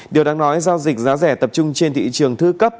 điều đáng nói giao dịch giá rẻ tập trung trên thị trường thư cấp